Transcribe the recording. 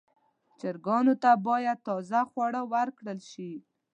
چرګانو ته باید تازه خواړه ورکړل شي.